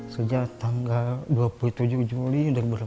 sejak tanggal dua puluh tujuh juli dua ribu delapan belas